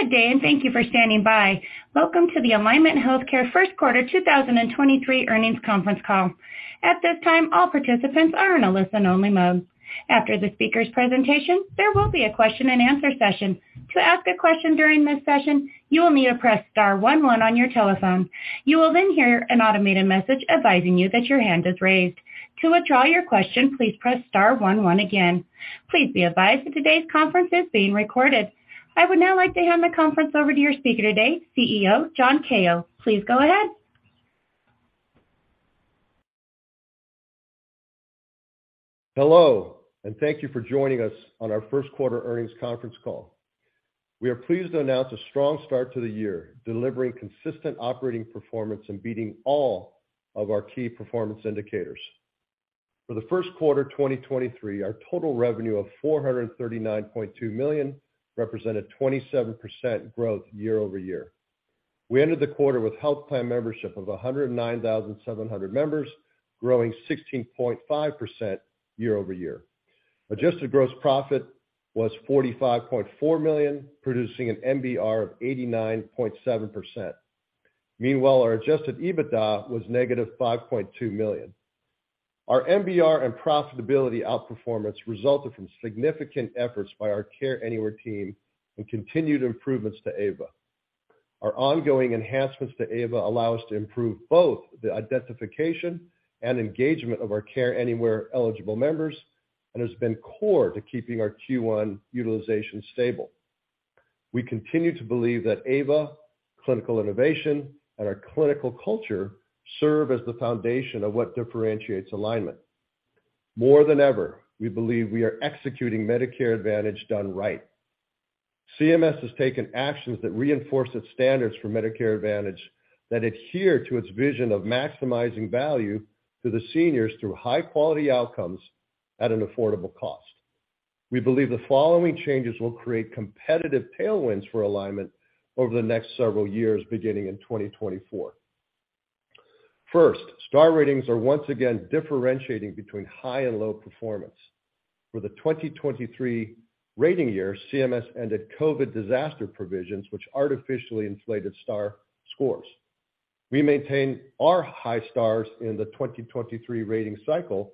Good day, and thank you for standing by. Welcome to the Alignment Healthcare First Quarter 2023 earnings conference call. At this time, all participants are in a listen only mode. After the speaker's presentation, there will be a question and answer session. To ask a question during this session, you will need to press star one one on your telephone. You will then hear an automated message advising you that your hand is raised. To withdraw your question, please press star one one again. Please be advised that today's conference is being recorded. I would now like to hand the conference over to your speaker today, CEO John Kao. Please go ahead. Hello, and thank you for joining us on our first quarter earnings conference call. We are pleased to announce a strong start to the year, delivering consistent operating performance and beating all of our key performance indicators. For the first quarter 2023, our total revenue of $439.2 million represented 27% growth year-over-year. We ended the quarter with health plan membership of 109,700 members, growing 16.5% year-over-year. Adjusted gross profit was $45.4 million, producing an MBR of 89.7%. Meanwhile, our adjusted EBITDA was -$5.2 million. Our MBR and profitability outperformance resulted from significant efforts by our Care Anywhere team and continued improvements to AVA. Our ongoing enhancements to AVA allow us to improve both the identification and engagement of our Care Anywhere eligible members, and has been core to keeping our Q1 utilization stable. We continue to believe that AVA, clinical innovation, and our clinical culture serve as the foundation of what differentiates Alignment. More than ever, we believe we are executing Medicare Advantage done right. CMS has taken actions that reinforce its standards for Medicare Advantage that adhere to its vision of maximizing value to the seniors through high quality outcomes at an affordable cost. We believe the following changes will create competitive tailwinds for Alignment over the next several years, beginning in 2024. First, Star Ratings are once again differentiating between high and low performance. For the 2023 rating year, CMS ended COVID disaster provisions which artificially inflated Star scores. We maintain our high Stars in the 2023 rating cycle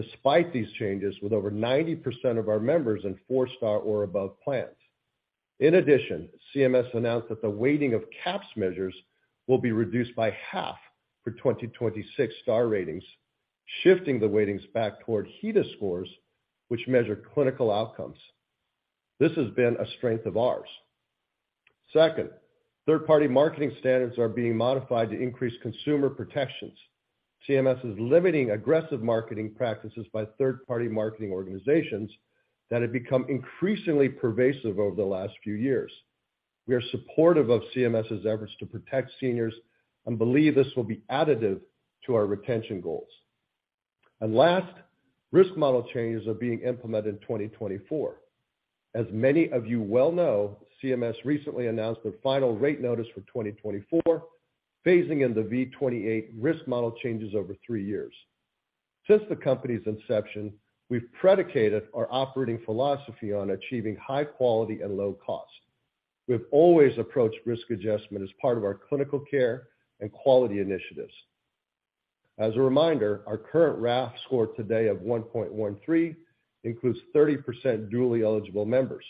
despite these changes, with over 90% of our members in four-Star or above plans. CMS announced that the weighting of CAHPS measures will be reduced by half for 2026 Star Ratings, shifting the weightings back toward HEDIS scores, which measure clinical outcomes. This has been a strength of ours. Second, third-party marketing standards are being modified to increase consumer protections. CMS is limiting aggressive marketing practices by third-party marketing organizations that have become increasingly pervasive over the last few years. We are supportive of CMS's efforts to protect seniors and believe this will be additive to our retention goals. Last, risk model changes are being implemented in 2024. As many of you well know, CMS recently announced their final rate notice for 2024, phasing in the V28 risk model changes over three years. Since the company's inception, we've predicated our operating philosophy on achieving high quality and low cost. We have always approached risk adjustment as part of our clinical care and quality initiatives. As a reminder, our current RAF score today of 1.13 includes 30% dually eligible members.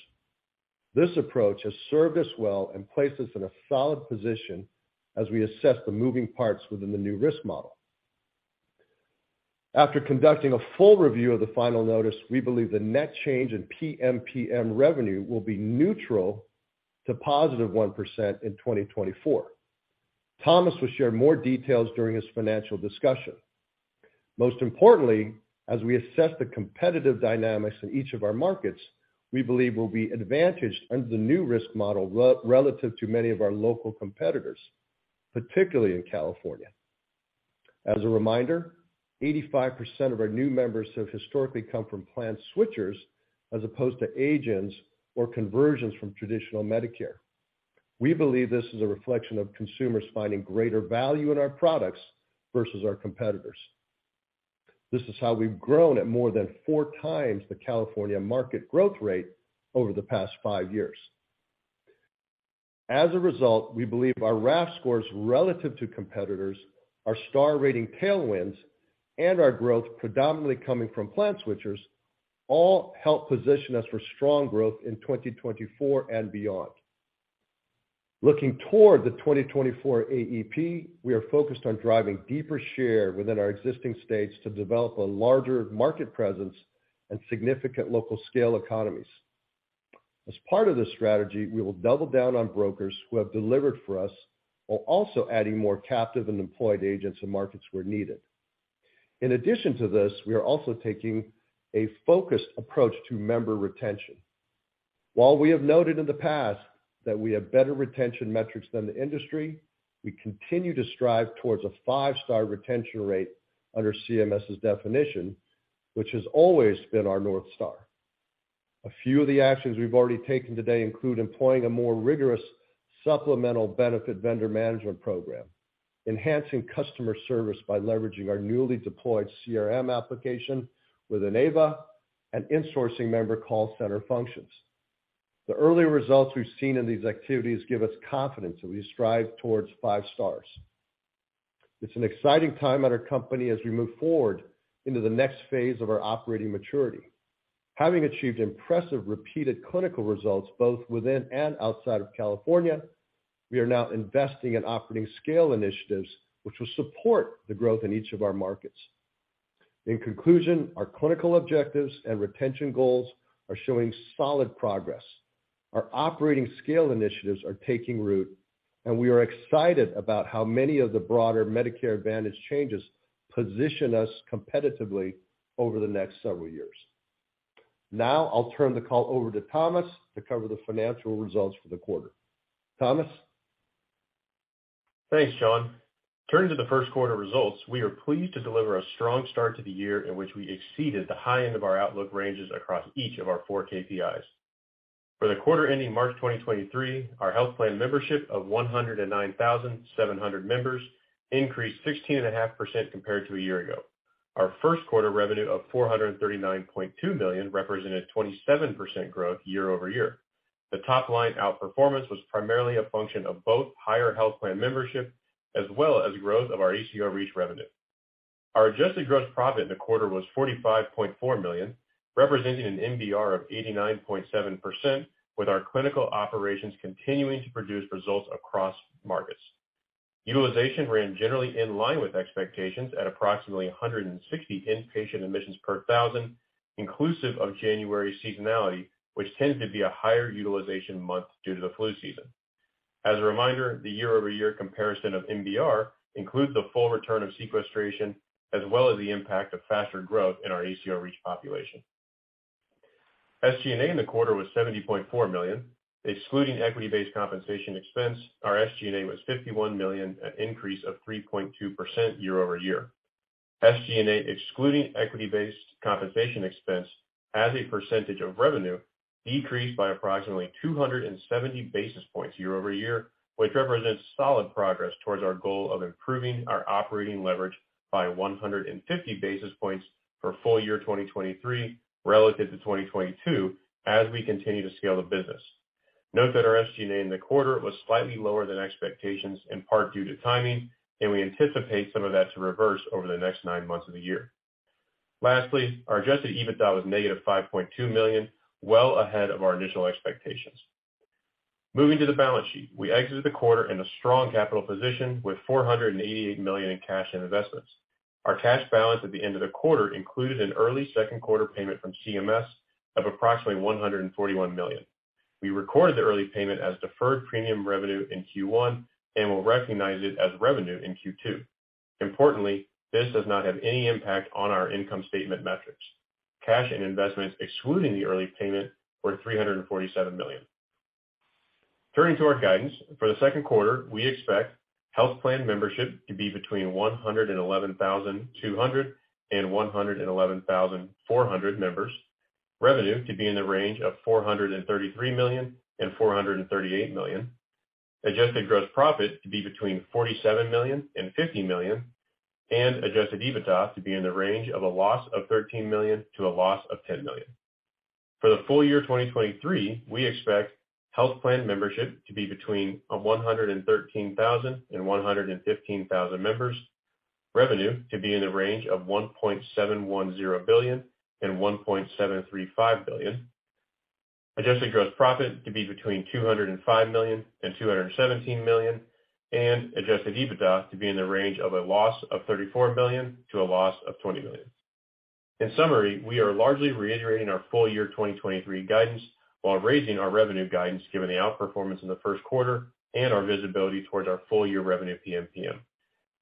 This approach has served us well and placed us in a solid position as we assess the moving parts within the new risk model. After conducting a full review of the final notice, we believe the net change in PMPM revenue will be neutral to +1% in 2024. Thomas will share more details during his financial discussion. Most importantly, as we assess the competitive dynamics in each of our markets, we believe we'll be advantaged under the new risk model relative to many of our local competitors, particularly in California. As a reminder, 85% of our new members have historically come from plan switchers as opposed to agents or conversions from traditional Medicare. We believe this is a reflection of consumers finding greater value in our products versus our competitors. This is how we've grown at more than four times the California market growth rate over the past five years. We believe our RAF scores relative to competitors, our star rating tailwinds, and our growth predominantly coming from plan switchers, all help position us for strong growth in 2024 and beyond. Looking toward the 2024 AEP, we are focused on driving deeper share within our existing states to develop a larger market presence and significant local scale economies. As part of this strategy, we will double down on brokers who have delivered for us while also adding more captive and employed agents in markets where needed. In addition to this, we are also taking a focused approach to member retention. While we have noted in the past that we have better retention metrics than the industry, we continue to strive towards a five-Star retention rate under CMS's definition, which has always been our North Star. A few of the actions we've already taken today include employing a more rigorous supplemental benefit vendor management program, enhancing customer service by leveraging our newly deployed CRM application within AVA and insourcing member call center functions. The early results we've seen in these activities give us confidence that we strive towards five Stars. It's an exciting time at our company as we move forward into the next phase of our operating maturity. Having achieved impressive repeated clinical results both within and outside of California, we are now investing in operating scale initiatives which will support the growth in each of our markets. In conclusion, our clinical objectives and retention goals are showing solid progress. Our operating scale initiatives are taking root, and we are excited about how many of the broader Medicare Advantage changes position us competitively over the next several years. Now, I'll turn the call over to Thomas to cover the financial results for the quarter. Thomas? Thanks, John. Turning to the first quarter results, we are pleased to deliver a strong start to the year in which we exceeded the high end of our outlook ranges across each of our four KPIs. For the quarter ending March 2023, our health plan membership of 109,700 members increased 16.5% compared to a year ago. Our first quarter revenue of $439.2 million represented 27% growth year-over-year. The top line outperformance was primarily a function of both higher health plan membership as well as growth of our ACO REACH revenue. Our adjusted gross profit in the quarter was $45.4 million, representing an MBR of 89.7%, with our clinical operations continuing to produce results across markets. Utilization ran generally in line with expectations at approximately 160 inpatient admissions per 1,000, inclusive of January seasonality, which tends to be a higher utilization month due to the flu season. As a reminder, the year-over-year comparison of MBR includes the full return of sequestration as well as the impact of faster growth in our ACO REACH population. SG&A in the quarter was $70.4 million. Excluding equity-based compensation expense, our SG&A was $51 million, an increase of 3.2% year-over-year. SG&A, excluding equity-based compensation expense as a percentage of revenue, decreased by approximately 270 basis points year-over-year, which represents solid progress towards our goal of improving our operating leverage by 150 basis points for full year 2023 relative to 2022 as we continue to scale the business. Note that our SG&A in the quarter was slightly lower than expectations, in part due to timing, and we anticipate some of that to reverse over the next nine months of the year. Lastly, our adjusted EBITDA was -$5.2 million, well ahead of our initial expectations. Moving to the balance sheet, we exited the quarter in a strong capital position with $488 million in cash and investments. Our cash balance at the end of the quarter included an early second quarter payment from CMS of approximately $141 million. We recorded the early payment as deferred premium revenue in Q1 and will recognize it as revenue in Q2. Importantly, this does not have any impact on our income statement metrics. Cash and investments excluding the early payment were $347 million. Turning to our guidance, for the second quarter, we expect health plan membership to be between 111,200 and 111,400 members, revenue to be in the range of $433 million and $438 million, adjusted gross profit to be between $47 million and $50 million, and adjusted EBITDA to be in the range of a loss of $13 million to a loss of $10 million. For the full year 2023, we expect health plan membership to be between 113,000 and 115,000 members, revenue to be in the range of $1.710 billion and $1.735 billion, adjusted gross profit to be between $205 million and $217 million, and adjusted EBITDA to be in the range of a loss of $34 million to a loss of $20 million. In summary, we are largely reiterating our full year 2023 guidance while raising our revenue guidance given the outperformance in the first quarter and our visibility towards our full year revenue PMPM.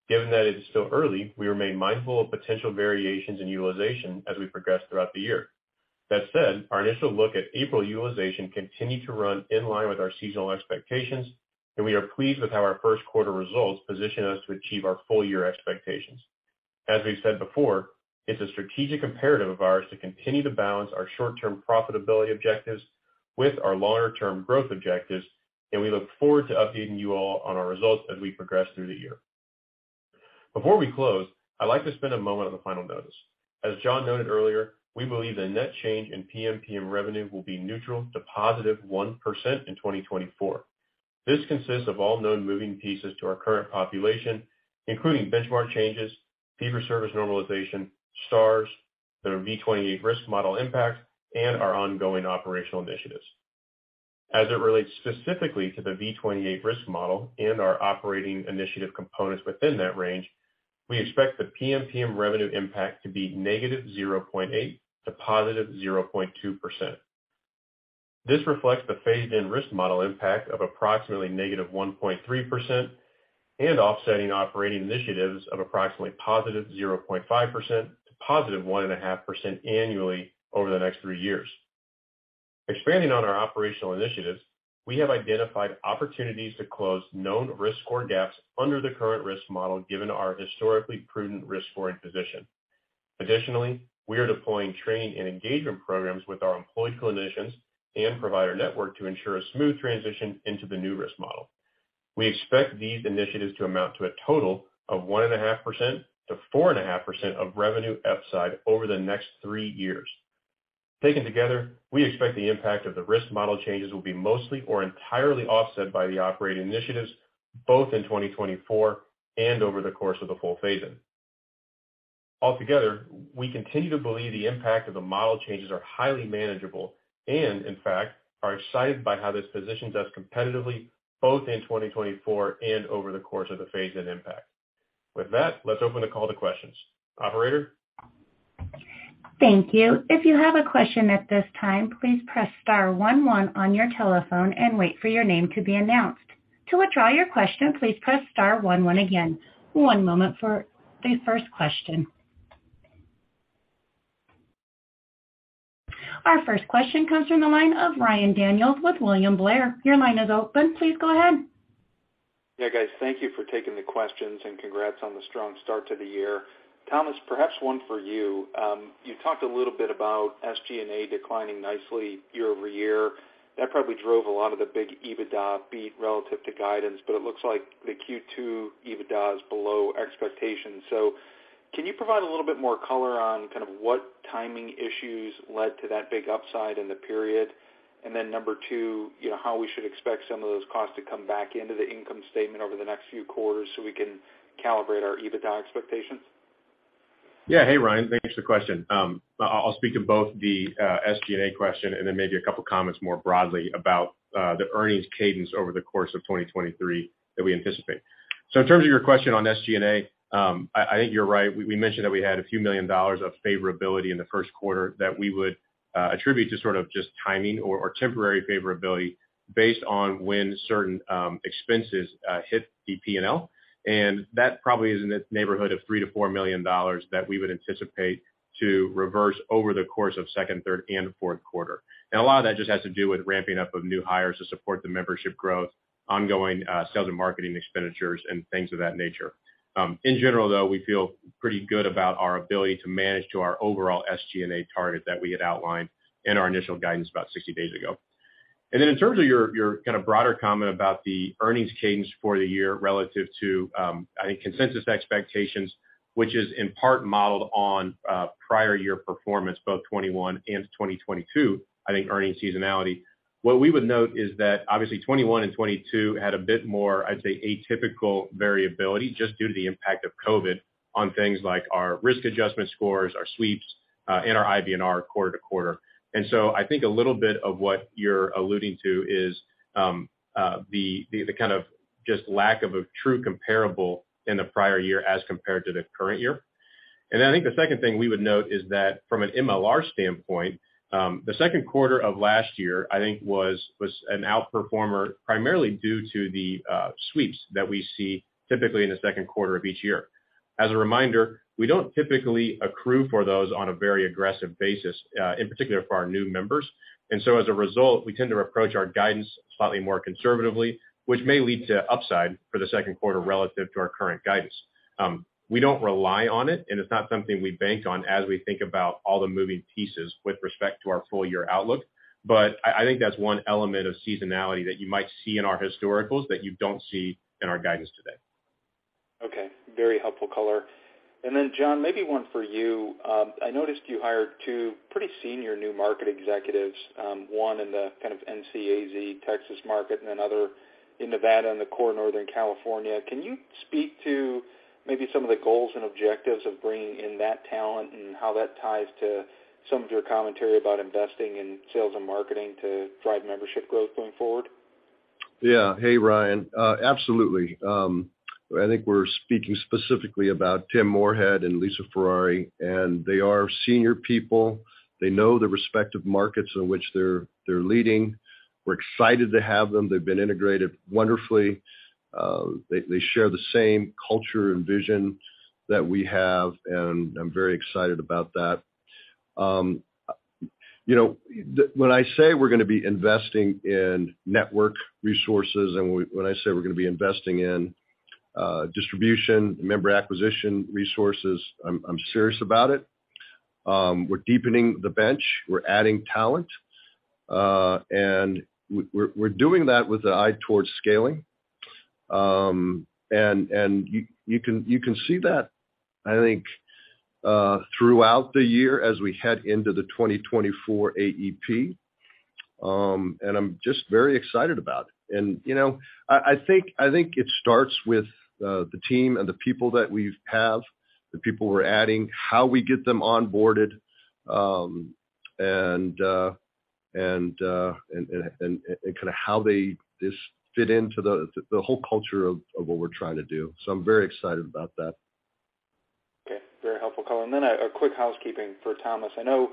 Given that it is still early, we remain mindful of potential variations in utilization as we progress throughout the year. That said, our initial look at April utilization continued to run in line with our seasonal expectations, and we are pleased with how our first quarter results position us to achieve our full year expectations. As we've said before, it's a strategic imperative of ours to continue to balance our short-term profitability objectives with our longer-term growth objectives, and we look forward to updating you all on our results as we progress through the year. Before we close, I'd like to spend a moment on the final notice. As John noted earlier, we believe the net change in PMPM revenue will be neutral to +1% in 2024. This consists of all known moving pieces to our current population, including benchmark changes, fee-for-service normalization, Stars, the V28 risk model impact, and our ongoing operational initiatives. As it relates specifically to the V28 risk model and our operating initiative components within that range, we expect the PMPM revenue impact to be -0.8% to +0.2%. This reflects the phased-in risk model impact of approximately -1.3% and offsetting operating initiatives of approximately +0.5%-+1.5% annually over the next three years. Expanding on our operational initiatives, we have identified opportunities to close known risk score gaps under the current risk model given our historically prudent risk scoring position. Additionally, we are deploying training and engagement programs with our employee clinicians and provider network to ensure a smooth transition into the new risk model. We expect these initiatives to amount to a total of 1.5%-4.5% of revenue upside over the next three years. Taken together, we expect the impact of the risk model changes will be mostly or entirely offset by the operating initiatives, both in 2024 and over the course of the full phase-in. We continue to believe the impact of the model changes are highly manageable and in fact are excited by how this positions us competitively both in 2024 and over the course of the phase-in impact. With that, let's open the call to questions. Operator? Thank you. If you have a question at this time, please press star one one on your telephone and wait for your name to be announced. To withdraw your question, please press star one one again. One moment for the first question. Our first question comes from the line of Ryan Daniels with William Blair. Your line is open. Please go ahead. Yeah, guys, thank you for taking the questions, and congrats on the strong start to the year. Thomas, perhaps one for you. You talked a little bit about SG&A declining nicely year-over-year. That probably drove a lot of the big EBITDA beat relative to guidance, but it looks like the Q2 EBITDA is below expectations. Can you provide a little bit more color on kind of what timing issues led to that big upside in the period? Number two, you know, how we should expect some of those costs to come back into the income statement over the next few quarters, so we can calibrate our EBITDA expectations. Yeah. Hey, Ryan. Thanks for the question. I'll speak to both the SG&A question and then maybe a couple comments more broadly about the earnings cadence over the course of 2023 that we anticipate. In terms of your question on SG&A, I think you're right. We mentioned that we had a few million dollars of favorability in the first quarter that we would attribute to sort of just timing or temporary favorability based on when certain expenses hit the P&L. That probably is in the neighborhood of $3 million-$4 million that we would anticipate to reverse over the course of second, third, and fourth quarter. A lot of that just has to do with ramping up of new hires to support the membership growth, ongoing sales and marketing expenditures, and things of that nature. In general, though, we feel pretty good about our ability to manage to our overall SG&A target that we had outlined in our initial guidance about 60 days ago. Then in terms of your kinda broader comment about the earnings cadence for the year relative to, I think consensus expectations, which is in part modeled on prior year performance, both 2021 and 2022, I think earnings seasonality, what we would note is that obviously 2021 and 2022 had a bit more, I'd say, atypical variability just due to the impact of COVID on things like our risk adjustment scores, our sweeps, and our IBNR quarter to quarter. I think a little bit of what you're alluding to is the kind of just lack of a true comparable in the prior year as compared to the current year. I think the second thing we would note is that from an MLR standpoint, the second quarter of last year, I think was an outperformer primarily due to the sweeps that we see typically in the second quarter of each year. As a reminder, we don't typically accrue for those on a very aggressive basis, in particular for our new members. As a result, we tend to approach our guidance slightly more conservatively, which may lead to upside for the second quarter relative to our current guidance. We don't rely on it, and it's not something we bank on as we think about all the moving pieces with respect to our full year outlook. I think that's one element of seasonality that you might see in our historicals that you don't see in our guidance today. Okay. Very helpful color. John, maybe one for you. I noticed you hired two pretty senior new market executives, one in the kind of NC, AZ, Texas market and another in Nevada and the core Northern California. Can you speak to maybe some of the goals and objectives of bringing in that talent and how that ties to some of your commentary about investing in sales and marketing to drive membership growth going forward? Yeah. Hey, Ryan Daniels. absolutely. I think we're speaking specifically about Tim Moorhead and Lisa Ferrari, and they are senior people. They know the respective markets in which they're leading. We're excited to have them. They've been integrated wonderfully. They share the same culture and vision that we have, and I'm very excited about that. You know, when I say we're gonna be investing in network resources and when I say we're gonna be investing in distribution, member acquisition resources, I'm serious about it. We're deepening the bench. We're adding talent, and we're doing that with an eye towards scaling. And you can see that, I think, throughout the year as we head into the 2024 AEP, and I'm just very excited about it. You know, I think it starts with the team and the people that we have, the people we're adding, how we get them onboarded, and kind of how they just fit into the whole culture of what we're trying to do. I'm very excited about that. Okay. Very helpful color. Then a quick housekeeping for Thomas. I know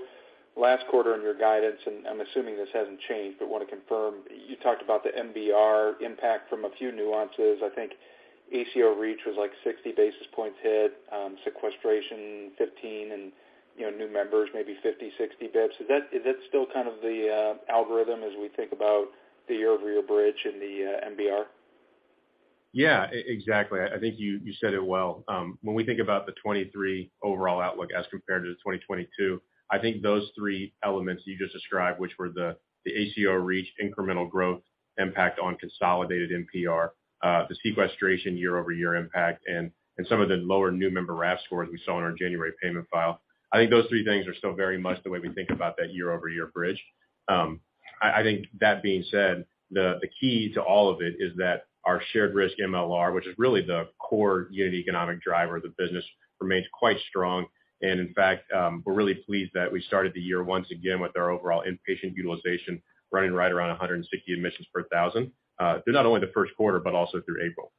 last quarter in your guidance, and I'm assuming this hasn't changed, but wanna confirm, you talked about the MBR impact from a few nuances. I think ACO REACH was, like, 60 basis points hit, sequestration 15, and, you know, new members maybe 50, 60 basis points. Is that still kind of the algorithm as we think about the year-over-year bridge in the MBR? Exactly. I think you said it well. When we think about the 2023 overall outlook as compared to the 2022, I think those three elements you just described, which were the ACO REACH incremental growth impact on consolidated NPR, the sequestration year-over-year impact, and some of the lower new member RAF scores we saw in our January payment file. I think those three things are still very much the way we think about that year-over-year bridge. I think that being said, the key to all of it is that our shared risk MLR, which is really the core unit economic driver of the business, remains quite strong. In fact, we're really pleased that we started the year once again with our overall inpatient utilization running right around 160 admissions per 1,000, through not only the first quarter, but also through April.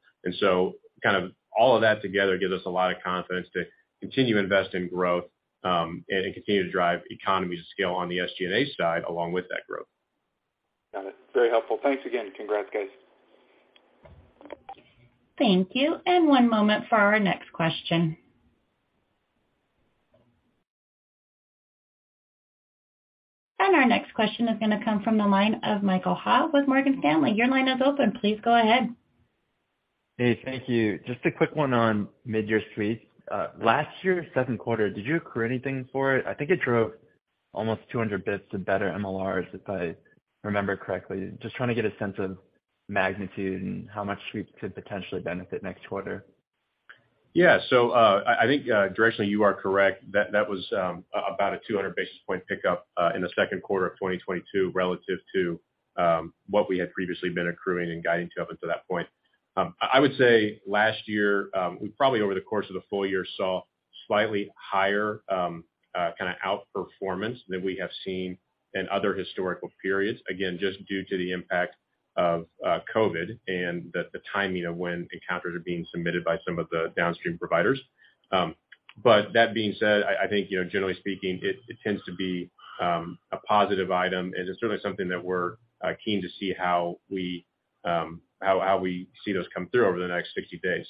Kind of all of that together gives us a lot of confidence to continue to invest in growth, and continue to drive economies of scale on the SG&A side along with that growth. Got it. Very helpful. Thanks again. Congrats, guys. Thank you. One moment for our next question. Our next question is gonna come from the line of Michael Ha with Morgan Stanley. Your line is open. Please go ahead. Hey, thank you. Just a quick one on mid-year sweep. Last year, second quarter, did you accrue anything for it? I think it drove almost 200 basis points to better MLRs, if I remember correctly. Just trying to get a sense of magnitude and how much suite could potentially benefit next quarter. I think, directionally, you are correct. That was about a 200 basis point pickup in the second quarter of 2022 relative to what we had previously been accruing and guiding to up until that point. I would say last year, we probably over the course of the full year saw slightly higher kind of outperformance than we have seen in other historical periods, again, just due to the impact of COVID and the timing of when encounters are being submitted by some of the downstream providers. That being said, I think, you know, generally speaking, it tends to be a positive item, and it's really something that we're keen to see how we see those come through over the next 60 days.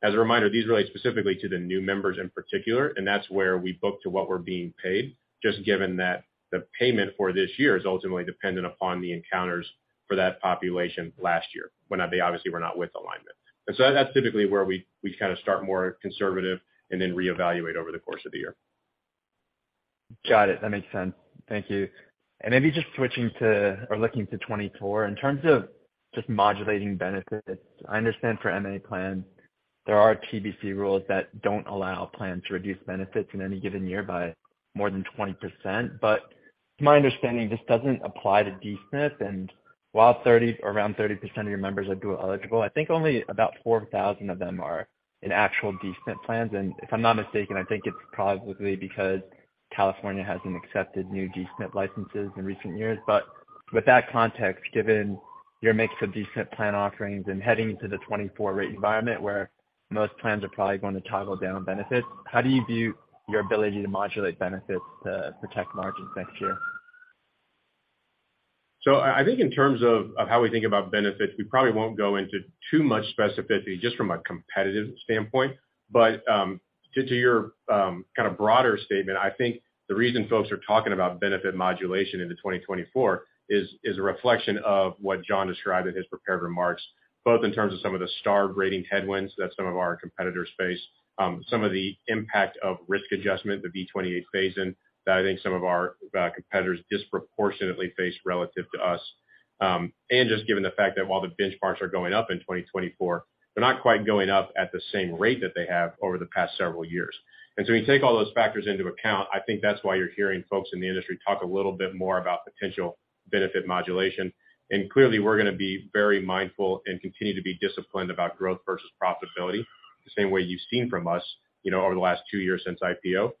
As a reminder, these relate specifically to the new members in particular. That's where we book to what we're being paid just given that the payment for this year is ultimately dependent upon the encounters for that population last year when they obviously were not with Alignment. That's typically where we kind of start more conservative and then reevaluate over the course of the year. Got it. That makes sense. Thank you. Maybe just switching to or looking to 2024. In terms of just modulating benefits, I understand for MA plan, there are PBP rules that don't allow plans to reduce benefits in any given year by more than 20%. To my understanding, this doesn't apply to D-SNP, and while around 30% of your members are dual eligible, I think only about 4,000 of them are in actual D-SNP plans. If I'm not mistaken, I think it's probably because California hasn't accepted new D-SNP licenses in recent years. With that context, given your mix of D-SNP plan offerings and heading into the 2024 rate environment where most plans are probably going to toggle down benefits, how do you view your ability to modulate benefits to protect margins next year? I think in terms of how we think about benefits, we probably won't go into too much specificity just from a competitive standpoint. To your kind of broader statement, I think the reason folks are talking about benefit modulation into 2024 is a reflection of what John described in his prepared remarks, both in terms of some of the star rating headwinds that some of our competitors face, some of the impact of risk adjustment, the V28 phase-in, that I think some of our competitors disproportionately face relative to us, and just given the fact that while the benchmarks are going up in 2024, they're not quite going up at the same rate that they have over the past several years. When you take all those factors into account, I think that's why you're hearing folks in the industry talk a little bit more about potential benefit modulation. We're gonna be very mindful and continue to be disciplined about growth versus profitability the same way you've seen from us, you know, over the last two years since IPO.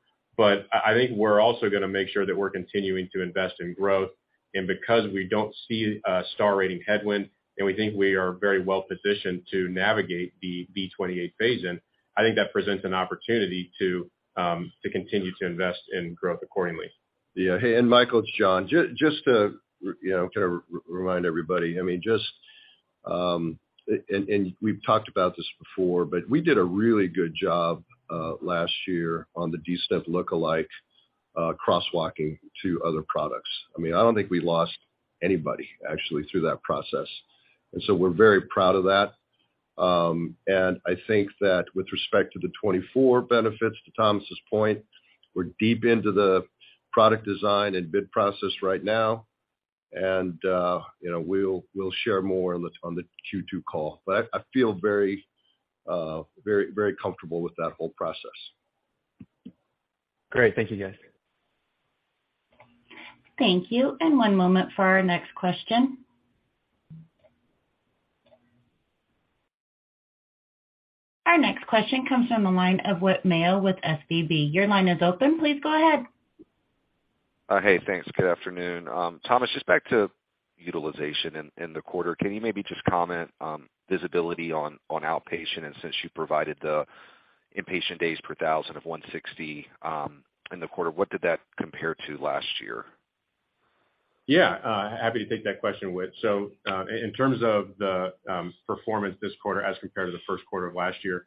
I think we're also gonna make sure that we're continuing to invest in growth. Because we don't see a star rating headwind, and we think we are very well positioned to navigate the V28 phase-in, I think that presents an opportunity to continue to invest in growth accordingly. Yeah. Hey, and Michael, it's John. Just to you know, kind of remind everybody, I mean, just, and we've talked about this before, but we did a really good job last year on the D-SNP look-alike crosswalking to other products. I mean, I don't think we lost anybody actually through that process. We're very proud of that. I think that with respect to the 2024 benefits, to Thomas' point, we're deep into the product design and bid process right now, and, you know, we'll share more on the Q2 call. I feel very comfortable with that whole process. Great. Thank you guys. Thank you. One moment for our next question. Our next question comes from the line of Whit Mayo with SVB. Your line is open. Please go ahead. Hey, thanks. Good afternoon. Thomas, just back to utilization in the quarter. Can you maybe just comment on visibility on outpatient? Since you provided the inpatient days per thousand of 160 in the quarter, what did that compare to last year? Happy to take that question, Whit. In terms of the performance this quarter as compared to the first quarter of last year,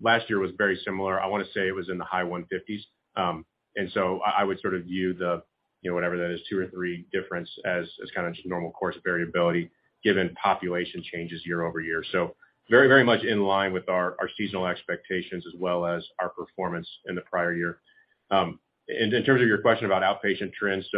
last year was very similar. I wanna say it was in the high 150s. I would sort of view the You know, whatever that is, two or three difference as kind of just normal course of variability given population changes year-over-year. Very, very much in line with our seasonal expectations as well as our performance in the prior year. In terms of your question about outpatient trends,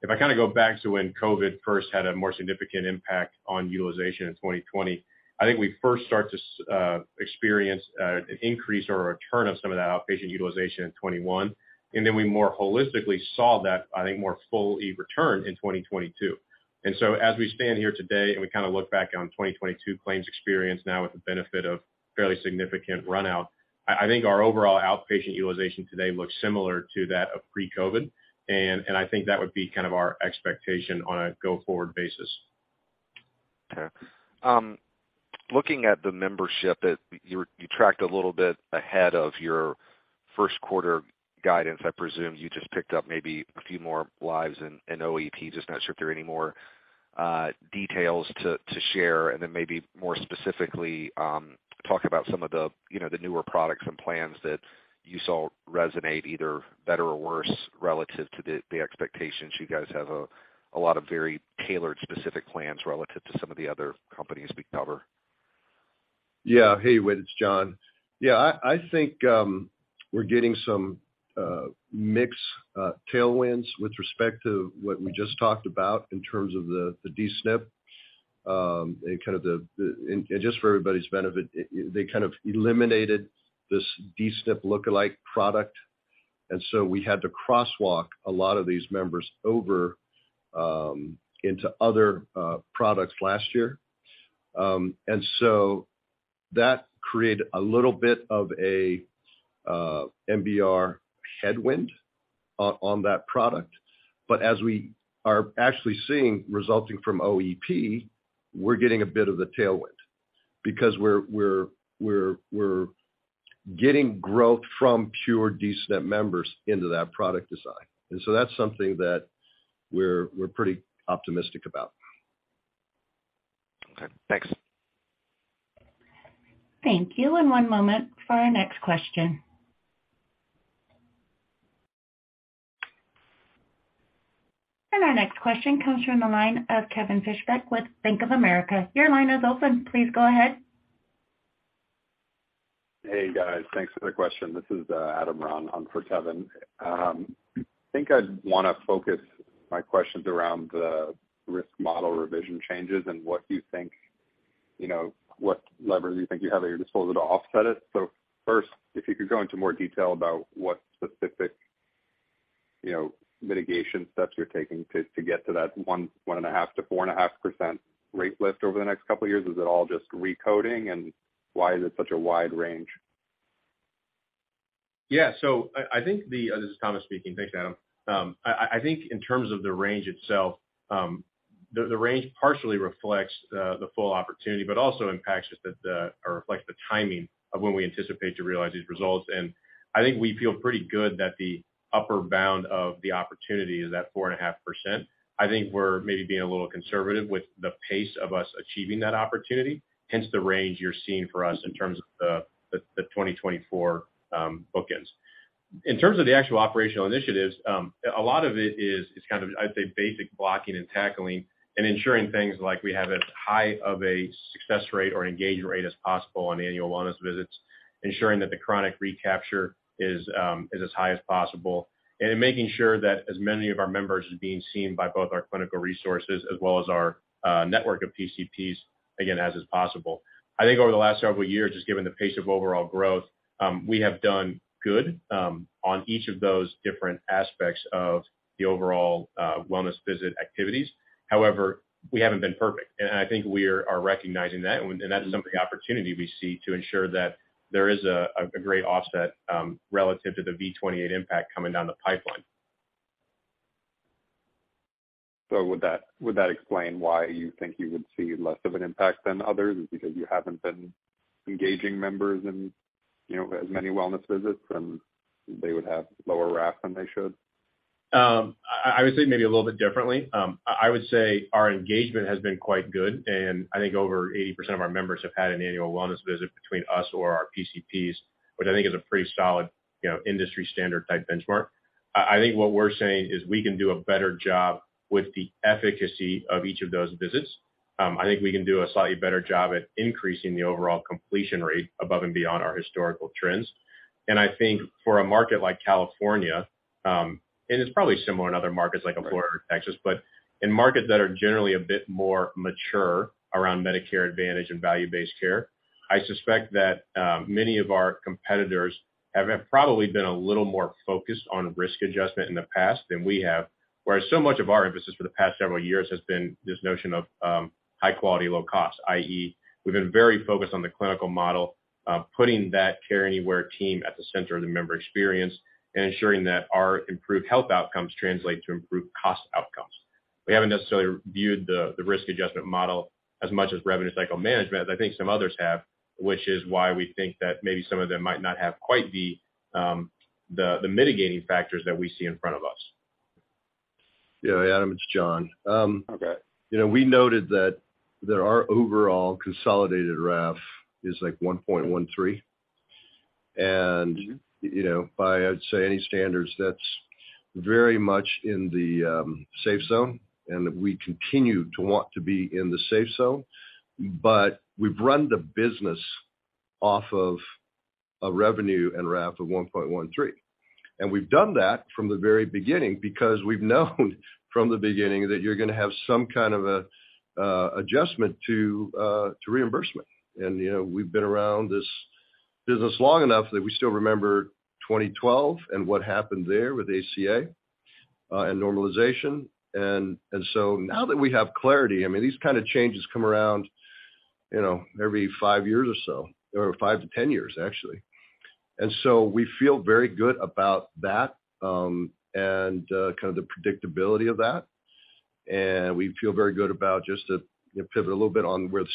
if I kind of go back to when COVID first had a more significant impact on utilization in 2020, I think we first start to experience an increase or a return of some of that outpatient utilization in 2021. We more holistically saw that, I think, more fully return in 2022. As we stand here today, and we kind of look back on 2022 claims experience now with the benefit of fairly significant run-out, I think our overall outpatient utilization today looks similar to that of pre-COVID. I think that would be kind of our expectation on a go-forward basis. Okay. Looking at the membership that you tracked a little bit ahead of your first quarter guidance. I presume you just picked up maybe a few more lives in OEP, just not sure if there are any more details to share. Then maybe more specifically, talk about some of the, you know, the newer products and plans that you saw resonate either better or worse relative to the expectations. You guys have a lot of very tailored specific plans relative to some of the other companies we cover. Yeah. Hey, Whit, it's John. Yeah, I think we're getting some mix tailwinds with respect to what we just talked about in terms of the D-SNP. Just for everybody's benefit, they kind of eliminated this D-SNP look-alike product. We had to crosswalk a lot of these members over into other products last year. That created a little bit of a MBR headwind on that product. As we are actually seeing resulting from OEP, we're getting a bit of the tailwind because we're getting growth from pure D-SNP members into that product design. That's something that we're pretty optimistic about. Okay, thanks. Thank you. One moment for our next question. Our next question comes from the line of Kevin Fischbeck with Bank of America. Your line is open. Please go ahead. Hey, guys, thanks for the question. This is Adam Ron on for Kevin. I think I'd wanna focus my questions around the risk model revision changes and what you think, you know, what leverage you think you have at your disposal to offset it. First, if you could go into more detail about what specific, you know, mitigation steps you're taking to get to that 1.5%-4.5% rate lift over the next two years. Is it all just recoding? Why is it such a wide range? This is Thomas speaking. Thanks, Adam. I think in terms of the range itself, the range partially reflects the full opportunity, but also impacts just or reflects the timing of when we anticipate to realize these results. I think we feel pretty good that the upper bound of the opportunity is at 4.5%. I think we're maybe being a little conservative with the pace of us achieving that opportunity, hence the range you're seeing for us in terms of the 2024 bookends. In terms of the actual operational initiatives, a lot of it is kind of, I'd say, basic blocking and tackling and ensuring things like we have as high of a success rate or engagement rate as possible on annual wellness visits, ensuring that the chronic recapture is as high as possible, and making sure that as many of our members are being seen by both our clinical resources as well as our network of PCPs, again, as is possible. I think over the last several years, just given the pace of overall growth, we have done good on each of those different aspects of the overall wellness visit activities. We haven't been perfect, and I think we are recognizing that, and that is something opportunity we see to ensure that there is a great offset relative to the V28 impact coming down the pipeline. Would that explain why you think you would see less of an impact than others is because you haven't been engaging members in, you know, as many wellness visits, and they would have lower RAF than they should? I would say maybe a little bit differently. I would say our engagement has been quite good, and I think over 80% of our members have had an annual wellness visit between us or our PCPs, which I think is a pretty solid, you know, industry standard type benchmark. I think what we're saying is we can do a better job with the efficacy of each of those visits. I think we can do a slightly better job at increasing the overall completion rate above and beyond our historical trends. I think for a market like California, and it's probably similar in other markets like Florida or Texas. In markets that are generally a bit more mature around Medicare Advantage and value-based care, I suspect that many of our competitors have probably been a little more focused on risk adjustment in the past than we have, whereas so much of our emphasis for the past several years has been this notion of high quality, low cost, i.e., we've been very focused on the clinical model of putting that Care Anywhere team at the center of the member experience and ensuring that our improved health outcomes translate to improved cost outcomes. We haven't necessarily viewed the risk adjustment model as much as revenue cycle management as I think some others have, which is why we think that maybe some of them might not have quite the mitigating factors that we see in front of us. Yeah. Adam, it's John. Okay. You know, we noted that our overall consolidated RAF is, like, 1.13. You know, by, I'd say any standards, that's very much in the safe zone, and we continue to want to be in the safe zone. We've run the business off of a revenue and RAF of 1.13. We've done that from the very beginning because we've known from the beginning that you're gonna have some kind of a adjustment to reimbursement. You know, we've been around this business long enough that we still remember 2012 and what happened there with ACA and normalization. Now that we have clarity, I mean, these kind of changes come around, you know, every five years or so, or five to 10 years, actually. We feel very good about that, and kind of the predictability of that. We feel very good about just to pivot a little bit on where the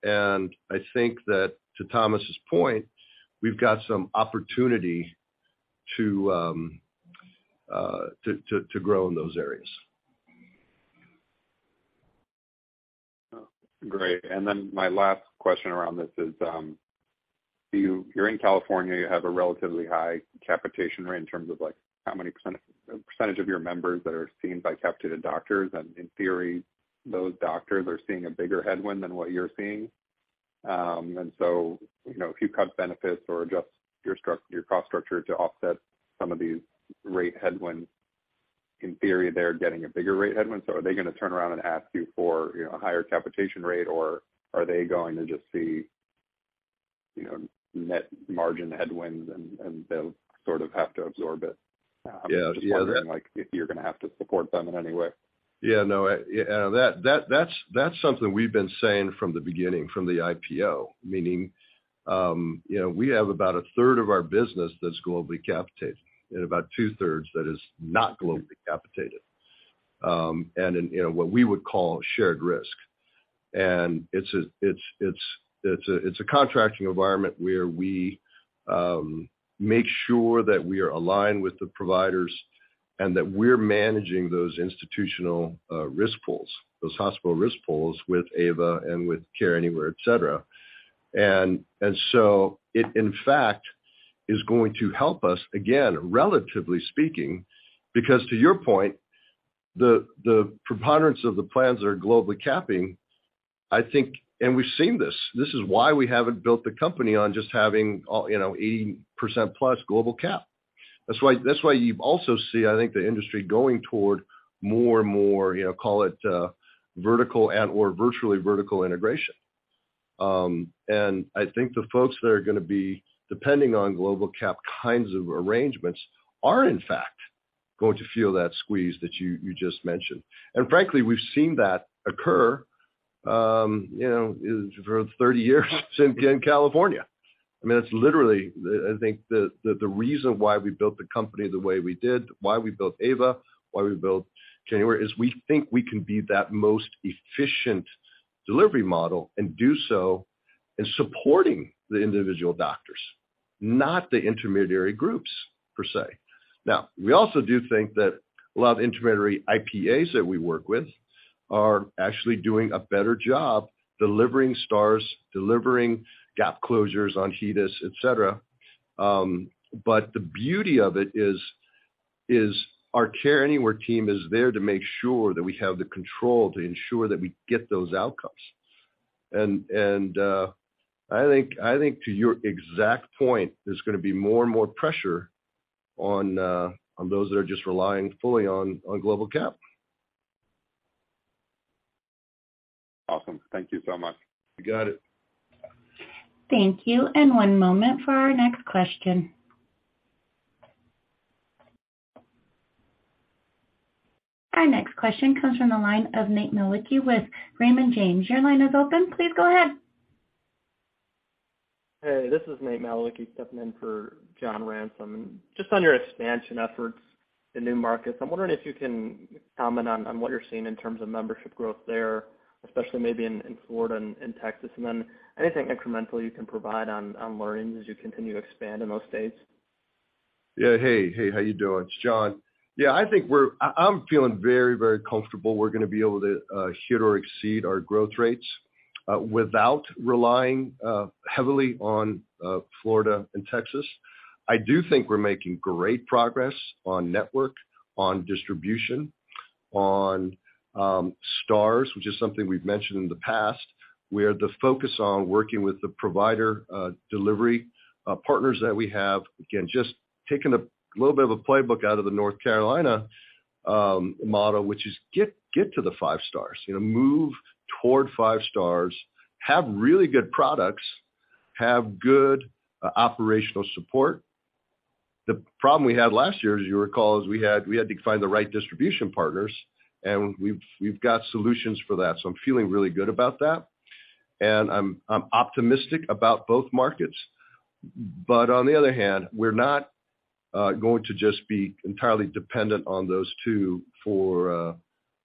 Stars is going. We kinda know what the rules are. I think that to Thomas's point, we've got some opportunity to grow in those areas. Great. My last question around this is, you're in California, you have a relatively high capitation rate in terms of, like, how many percentage of your members that are seen by capitated doctors. In theory, those doctors are seeing a bigger headwind than what you're seeing. You know, if you cut benefits or adjust your cost structure to offset some of these rate headwinds, in theory, they're getting a bigger rate headwind. Are they gonna turn around and ask you for, you know, a higher capitation rate, or are they going to just see, you know, net margin headwinds, and they'll sort of have to absorb it? Yeah. Just wondering, like, if you're gonna have to support them in any way. Yeah, no. That's something we've been saying from the beginning, from the IPO. Meaning, you know, we have about a third of our business that's globally capitated and about two-thirds that is not globally capitated, and in, you know, what we would call shared risk. It's a contracting environment where we make sure that we are aligned with the providers and that we're managing those institutional risk pools, those hospital risk pools with AVA and with Care Anywhere, et cetera. It, in fact, is going to help us, again, relatively speaking, because to your point, the preponderance of the plans are globally capping, I think, and we've seen this. This is why we haven't built the company on just having, you know, 80%+ global capitation. That's why you also see, I think, the industry going toward more and more, you know, call it virtually vertical integration. I think the folks that are gonna be depending on global capitation kinds of arrangements are, in fact, going to feel that squeeze that you just mentioned. Frankly, we've seen that occur, you know, for 30 years in California. I mean, it's literally, I think the reason why we built the company the way we did, why we built AVA, why we built January, is we think we can be that most efficient delivery model and do so in supporting the individual doctors, not the intermediary groups per se. Now, we also do think that a lot of intermediary IPAs that we work with are actually doing a better job delivering Stars, delivering gap closures on HEDIS, et cetera. But the beauty of it is our Care Anywhere team is there to make sure that we have the control to ensure that we get those outcomes. I think to your exact point, there's gonna be more and more pressure on those that are just relying fully on global capitation. Awesome. Thank you so much. You got it. Thank you. One moment for our next question. Our next question comes from the line of Nate Malicki with Raymond James. Your line is open. Please go ahead. Hey, this is Nate Malicki stepping in for John Ransom. Just on your expansion efforts in new markets, I'm wondering if you can comment on what you're seeing in terms of membership growth there, especially maybe in Florida and Texas, and then anything incremental you can provide on learnings as you continue to expand in those states. How you doing? It's John. I'm feeling very, very comfortable we're gonna be able to hit or exceed our growth rates without relying heavily on Florida and Texas. I do think we're making great progress on network, on distribution, on Stars, which is something we've mentioned in the past, where the focus on working with the provider delivery partners that we have. Just taking a little bit of a playbook out of the North Carolina model, which is get to the five Stars, you know, move toward five Stars, have really good products, have good operational support. The problem we had last year, as you recall, is we had to find the right distribution partners, we've got solutions for that. I'm feeling really good about that. I'm optimistic about both markets. On the other hand, we're not going to just be entirely dependent on those two for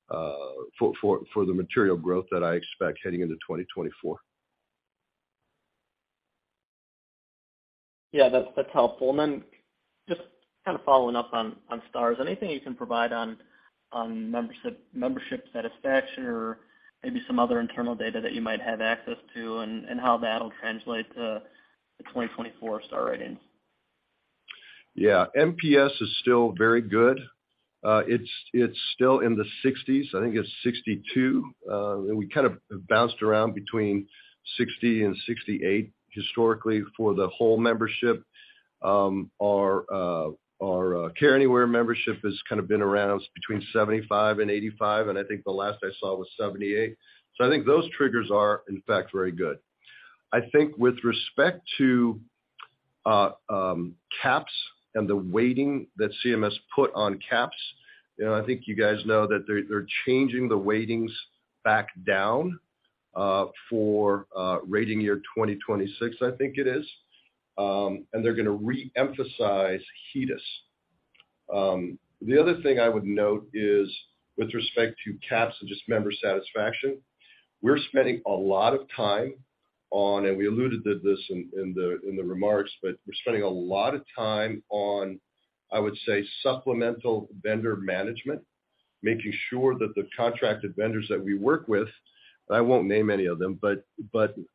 the material growth that I expect heading into 2024. Yeah, that's helpful. Then just kind of following up on Stars. Anything you can provide on membership satisfaction or maybe some other internal data that you might have access to and how that'll translate to the 2024 Star Ratings? Yeah. NPS is still very good. It's still in the sixties. I think it's 62. We kind of bounced around between 60 and 68 historically for the whole membership. Our Care Anywhere membership has kind of been around between 75 and 85, and I think the last I saw was 78. I think those triggers are, in fact, very good. I think with respect to CAHPS and the weighting that CMS put on CAHPS, you know, I think you guys know that they're changing the weightings back down for rating year 2026, I think it is. They're gonna reemphasize HEDIS. The other thing I would note is with respect to CAHPS and just member satisfaction, we're spending a lot of time on, and we alluded to this in the remarks, but we're spending a lot of time on, I would say, supplemental vendor management, making sure that the contracted vendors that we work with, and I won't name any of them, but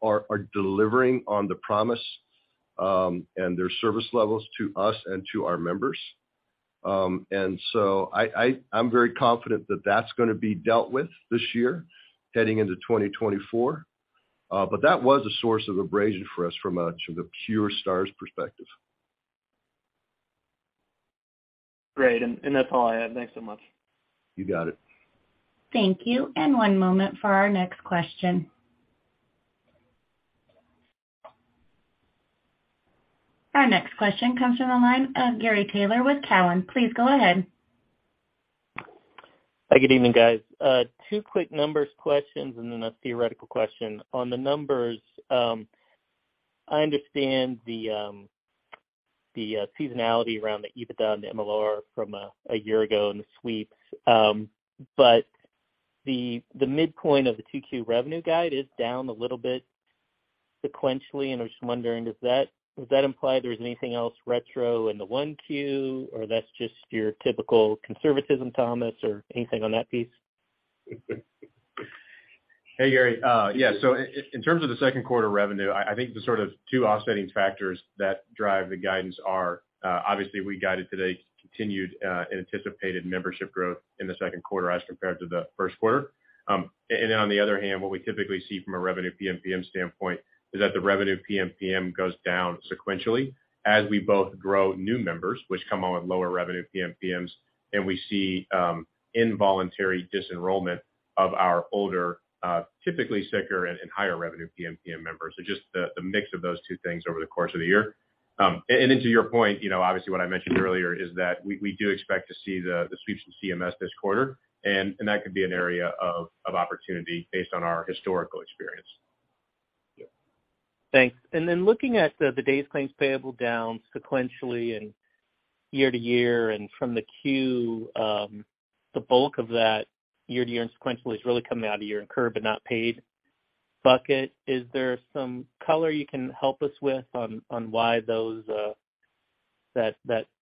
are delivering on the promise, and their service levels to us and to our members. So I'm very confident that that's gonna be dealt with this year heading into 2024. That was a source of abrasion for us from a sort of pure Stars perspective. Great. That's all I have. Thanks so much. You got it. Thank you. One moment for our next question. Our next question comes from the line of Gary Taylor with Cowen. Please go ahead. Hi, good evening, guys. Two quick numbers questions and then a theoretical question. On the numbers, I understand the seasonality around the EBITDA and the MLR from a year ago and the sweeps. The midpoint of the 2Q revenue guide is down a little bit sequentially, and I'm just wondering, does that imply there's anything else retro in the 1Q, or that's just your typical conservatism, Thomas, or anything on that piece? Hey, Gary. Yeah. In terms of the second quarter revenue, I think the sort of two offsetting factors that drive the guidance are, obviously we guided today continued, anticipated membership growth in the second quarter as compared to the first quarter. And on the other hand, what we typically see from a revenue PMPM standpoint is that the revenue PMPM goes down sequentially as we both grow new members, which come out with lower revenue PMPMs, and we see involuntary disenrollment of our older, typically sicker and higher revenue PMPM members. Just the mix of those two things over the course of the year. Then to your point, you know, obviously what I mentioned earlier is that we do expect to see the sweeps from CMS this quarter, and that could be an area of opportunity based on our historical experience. Thanks. Then looking at the Days Claims Payable down sequentially and year to year and from the queue, the bulk of that year to year and sequentially is really coming out of year incurred but not paid bucket. Is there some color you can help us with on why those that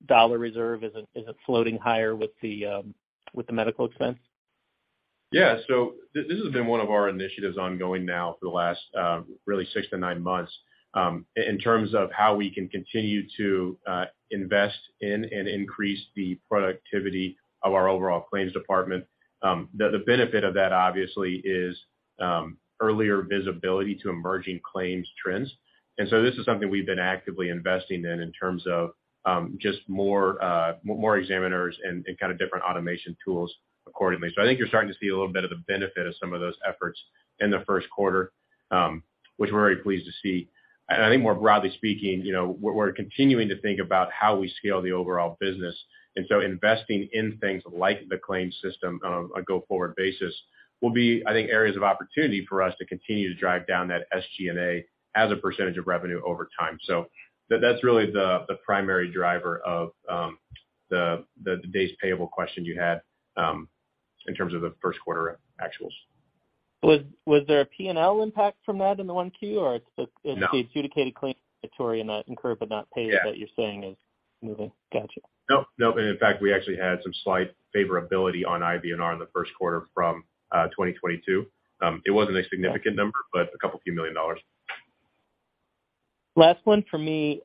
dollar reserve isn't floating higher with the medical expense? This has been one of our initiatives ongoing now for the last, really six to nine months, in terms of how we can continue to invest in and increase the productivity of our overall claims department. The benefit of that obviously is earlier visibility to emerging claims trends. This is something we've been actively investing in in terms of just more examiners and kind of different automation tools accordingly. I think you're starting to see a little bit of the benefit of some of those efforts in the first quarter, which we're very pleased to see. I think more broadly speaking, you know, we're continuing to think about how we scale the overall business. Investing in things like the claims system on a go-forward basis will be, I think, areas of opportunity for us to continue to drive down that SG&A as a % of revenue over time. That's really the primary driver of the days payable question you had in terms of the first quarter actuals. Was there a P&L impact from that in the 1Q? Or it's... No. It's the adjudicated claims inventory and the incurred but not paid- Yeah. that you're saying is moving. Got you. Nope. Nope. In fact, we actually had some slight favorability on IBNR in the first quarter from 2022. It wasn't a significant number, but a couple few million dollars. Last one for me.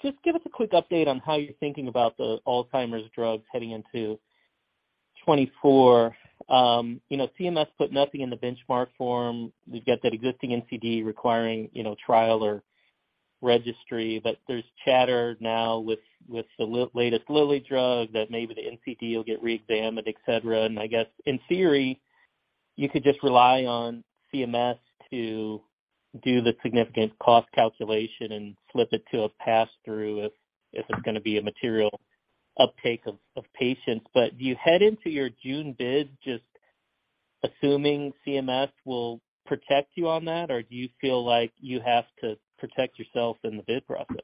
Just give us a quick update on how you're thinking about the Alzheimer's drugs heading into 2024. You know, CMS put nothing in the benchmark form. We've got that existing NCD requiring, you know, trial or registry, but there's chatter now with the latest Lilly drug that maybe the NCD will get reexamined, et cetera. I guess in theory, you could just rely on CMS to do the significant cost calculation and flip it to a pass-through if it's gonna be a material uptake of patients. Do you head into your June bid just assuming CMS will protect you on that? Or do you feel like you have to protect yourself in the bid process?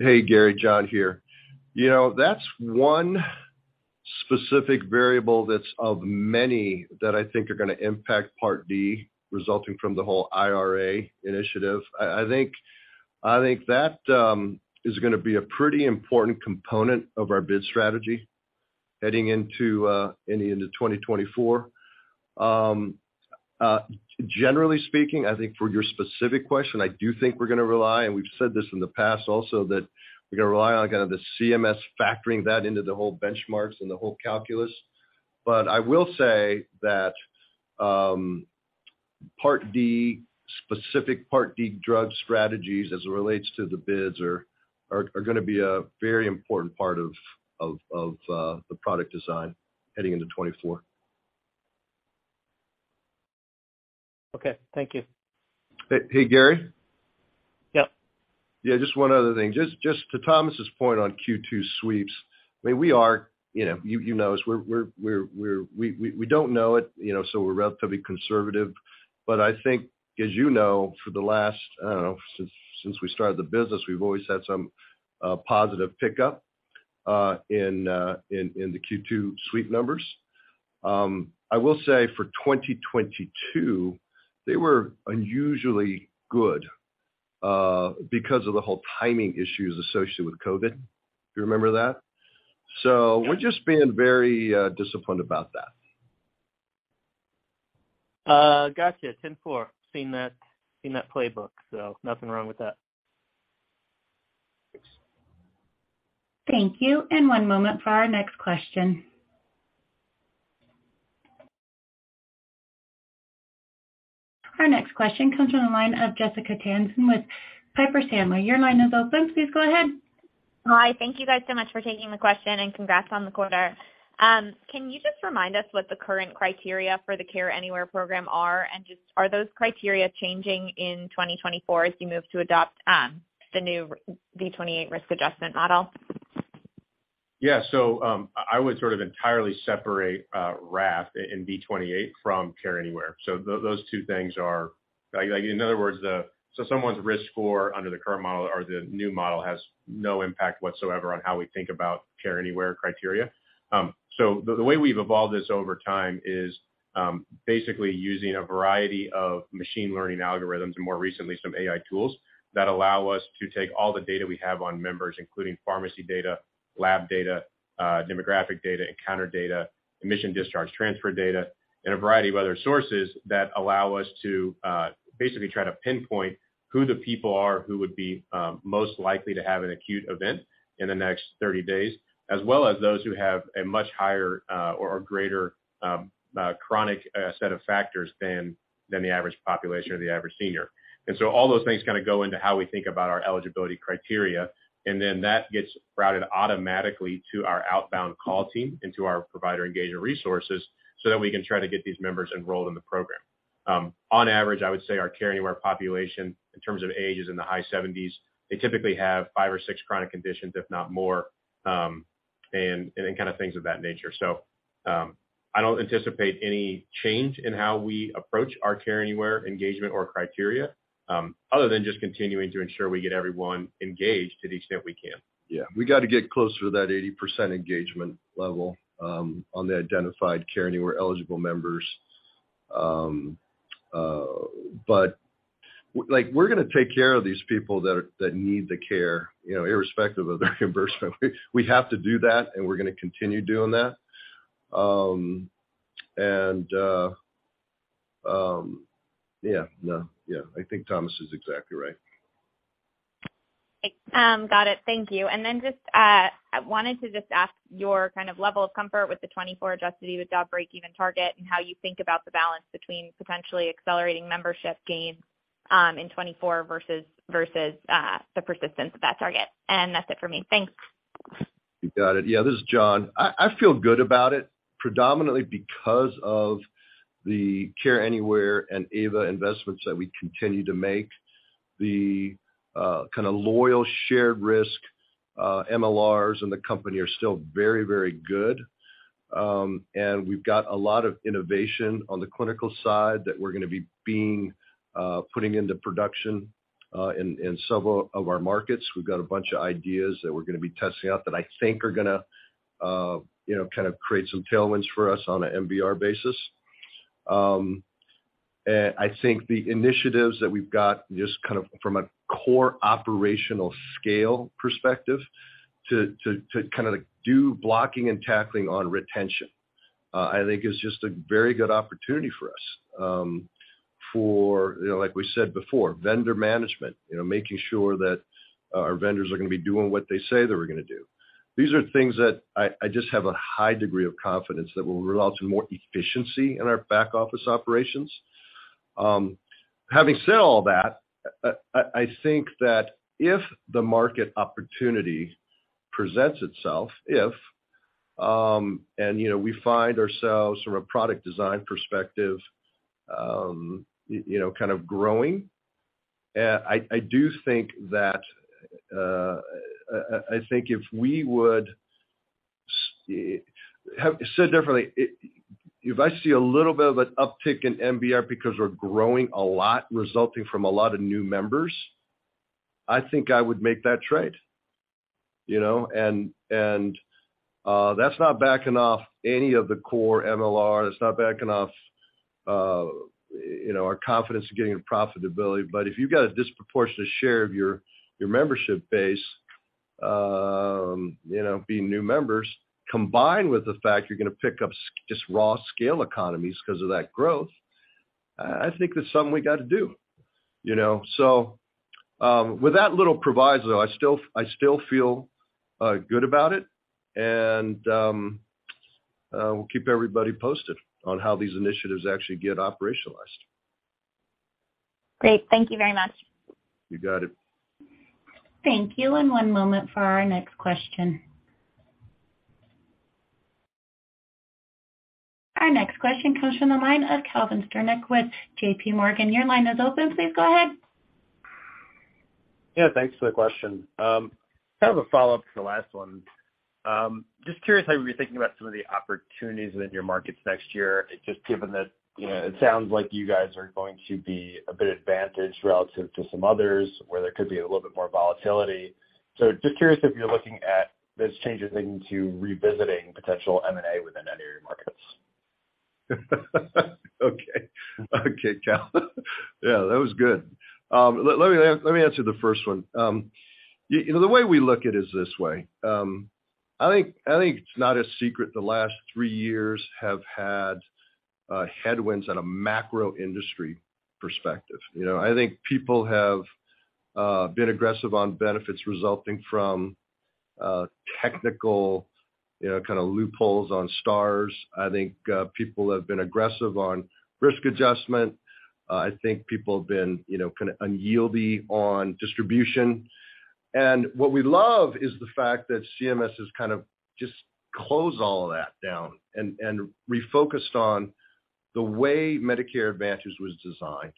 Hey, Gary. John here. You know, that's one specific variable that's of many that I think are gonna impact Part D resulting from the whole IRA initiative. I think that is gonna be a pretty important component of our bid strategy heading into 2024. Generally speaking, I think for your specific question, I do think we're gonna rely, and we've said this in the past also, that we're gonna rely on kinda the CMS factoring that into the whole benchmarks and the whole calculus. I will say that Part D, specific Part D drug strategies as it relates to the bids are gonna be a very important part of the product design heading into 2024. Okay. Thank you. Hey, hey, Gary? Yep. Yeah, just one other thing. Just to Thomas' point on Q2 sweeps, I mean, we are, you know, you know us, we don't know it, you know, so we're relatively conservative. I think, as you know, for the last, I don't know, since we started the business, we've always had some positive pickup in the Q2 sweep numbers. I will say for 2022, they were unusually good because of the whole timing issues associated with COVID. Do you remember that? We're just being very disciplined about that. Gotcha. Ten-four. Seen that playbook, so nothing wrong with that. Thanks. Thank you, and one moment for our next question. Our next question comes from the line of Jessica Tassan with Piper Sandler. Your line is open. Please go ahead. Hi. Thank you guys so much for taking the question, and congrats on the quarter. Can you just remind us what the current criteria for the Care Anywhere program are, and just are those criteria changing in 2024 as you move to adopt, the new V28 risk adjustment model? Yeah. I would sort of entirely separate RAF and V28 from Care Anywhere. Those two things are... Like, in other words, someone's risk score under the current model or the new model has no impact whatsoever on how we think about Care Anywhere criteria. The way we've evolved this over time is, basically using a variety of machine learning algorithms and more recently some AI tools that allow us to take all the data we have on members, including pharmacy data, lab data, demographic data, encounter data, admission discharge transfer data, and a variety of other sources that allow us to, basically try to pinpoint who the people are who would be most likely to have an acute event in the next 30 days, as well as those who have a much higher, or greater, chronic set of factors than the average population or the average senior. All those things kind of go into how we think about our eligibility criteria, and then that gets routed automatically to our outbound call team and to our provider engagement resources so that we can try to get these members enrolled in the program. On average, I would say our Care Anywhere population in terms of age is in the high 70s. They typically have five or six chronic conditions, if not more, and then kind of things of that nature. I don't anticipate any change in how we approach our Care Anywhere engagement or criteria, other than just continuing to ensure we get everyone engaged to the extent we can. Yeah. We got to get closer to that 80% engagement level on the identified Care Anywhere eligible members. Like, we're gonna take care of these people that need the care, you know, irrespective of the reimbursement. We have to do that, and we're gonna continue doing that. Yeah, no, yeah, I think Thomas is exactly right. Great. Got it. Thank you. Just, I wanted to just ask your kind of level of comfort with the 2024 adjusted EBITDA breakeven target and how you think about the balance between potentially accelerating membership gains, in 2024 versus the persistence of that target. That's it for me. Thanks. You got it. Yeah, this is John. I feel good about it predominantly because of the Care Anywhere and AVA investments that we continue to make. The kinda loyal shared risk MLRs in the company are still very, very good. We've got a lot of innovation on the clinical side that we're gonna be putting into production in several of our markets. We've got a bunch of ideas that we're gonna be testing out that I think are gonna, you know, kind of create some tailwinds for us on an MBR basis. I think the initiatives that we've got just kind of from a core operational scale perspective to kinda do blocking and tackling on retention, I think is just a very good opportunity for us, for, you know, like we said before, vendor management, you know, making sure that our vendors are gonna be doing what they say they were gonna do. These are things that I just have a high degree of confidence that will allow to more efficiency in our back office operations. Having said all that, I think that if the market opportunity presents itself, if, you know, we find ourselves from a product design perspective, you know, kind of growing, I do think that, I think if we would... Have said differently, if I see a little bit of an uptick in MBR because we're growing a lot resulting from a lot of new members, I think I would make that trade, you know. That's not backing off any of the core MLR. It's not backing off, you know, our confidence in getting profitability. If you've got a disproportionate share of your membership base, you know, being new members, combined with the fact you're gonna pick up just raw scale economies because of that growth, I think that's something we gotta do, you know. With that little proviso, I still feel good about it, and we'll keep everybody posted on how these initiatives actually get operationalized. Great. Thank you very much. You got it. Thank you. One moment for our next question. Our next question comes from the line of Calvin Sternick with JPMorgan. Your line is open. Please go ahead. Thanks for the question. Kind of a follow-up to the last one. Just curious how you're thinking about some of the opportunities within your markets next year, just given that, you know, it sounds like you guys are going to be a bit advantaged relative to some others where there could be a little bit more volatility. Just curious if you're looking at those changes leading to revisiting potential M&A within any of your markets? Okay, Cal. Yeah, that was good. Let me answer the first one. You know, the way we look at it is this way. I think it's not a secret the last three years have had headwinds on a macro industry perspective. You know, I think people have been aggressive on benefits resulting from technical, you know, kind of loopholes on Stars. I think people have been aggressive on risk adjustment. I think people have been, you know, kind of unyielding on distribution. What we love is the fact that CMS has kind of just closed all of that down and refocused on the way Medicare Advantage was designed.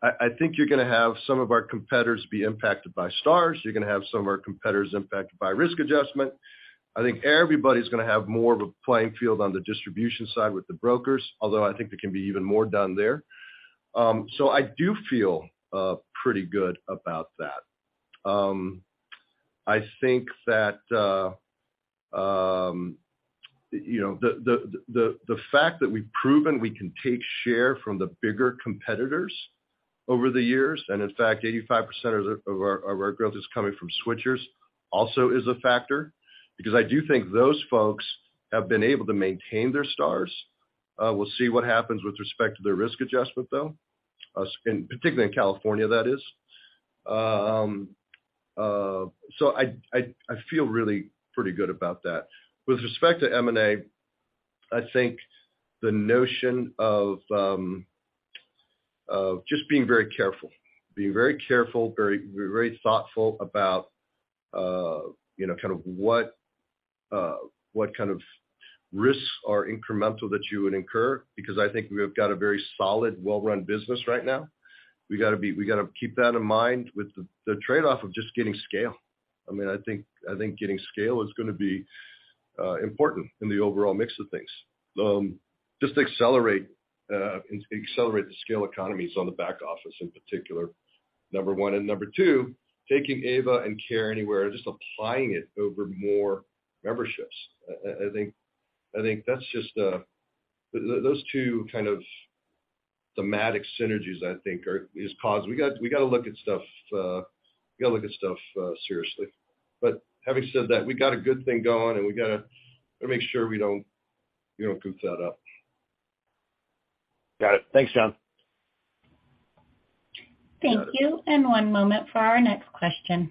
I think you're going to have some of our competitors be impacted by Stars. You're gonna have some of our competitors impacted by risk adjustment. I think everybody's gonna have more of a playing field on the distribution side with the brokers, although I think there can be even more done there. I do feel pretty good about that. I think that, you know, the fact that we've proven we can take share from the bigger competitors over the years, and in fact, 85% of our growth is coming from switchers also is a factor because I do think those folks have been able to maintain their Stars. We'll see what happens with respect to their risk adjustment, though, and particularly in California, that is. I feel really pretty good about that. With respect to M&A, I think the notion of just being very careful. Being very careful, very thoughtful about, you know, kind of what kind of risks are incremental that you would incur because I think we have got a very solid, well-run business right now. We gotta keep that in mind with the trade-off of just getting scale. I mean, I think getting scale is gonna be important in the overall mix of things. Just accelerate the scale economies on the back office in particular, number one. Number two, taking AVA and Care Anywhere and just applying it over more memberships. I think that's just those two kind of thematic synergies, I think are, is cause. We gotta look at stuff, we gotta look at stuff, seriously. Having said that, we got a good thing going, and we gotta make sure we don't goof that up. Got it. Thanks, John. Thank you. One moment for our next question.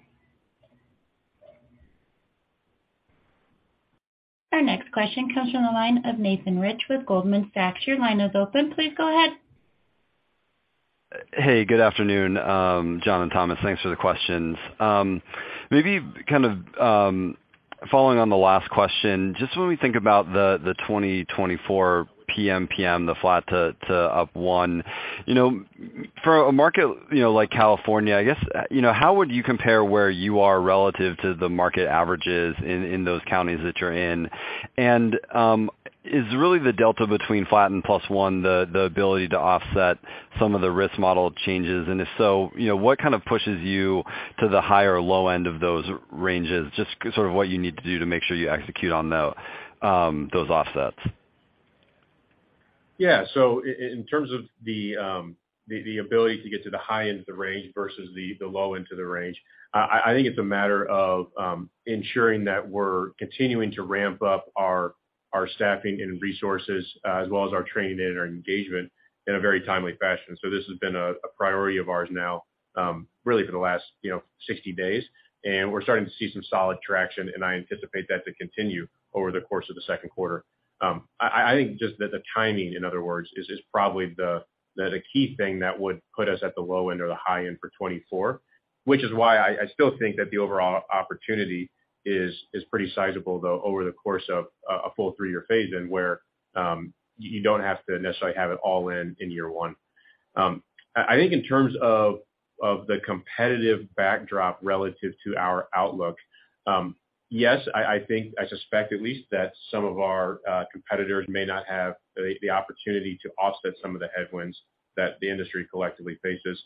Our next question comes from the line of Nathan Rich with Goldman Sachs. Your line is open. Please go ahead. Hey, good afternoon, John and Thomas. Thanks for the questions. Maybe kind of, following on the last question, just when we think about the 2024 PMPM, the flat to +1, you know, for a market, you know, like California, I guess, you know, how would you compare where you are relative to the market averages in those counties that you're in? Is really the delta between flat and +1 the ability to offset some of the risk model changes? If so, you know, what kind of pushes you to the high or low end of those ranges? Just sort of what you need to do to make sure you execute on the those offsets. Yeah. In terms of the ability to get to the high end of the range versus the low end of the range, I think it's a matter of ensuring that we're continuing to ramp up our staffing and resources, as well as our training and our engagement in a very timely fashion. This has been a priority of ours now, really for the last, you know, 60 days, and we're starting to see some solid traction, and I anticipate that to continue over the course of the second quarter. I think just that the timing, in other words, is probably the key thing that would put us at the low end or the high end for 24, which is why I still think that the overall opportunity is pretty sizable, though, over the course of a full three-year phase-in, where, you don't have to necessarily have it all in year one. I think in terms of the competitive backdrop relative to our outlook, yes, I think, I suspect at least that some of our competitors may not have the opportunity to offset some of the headwinds that the industry collectively faces.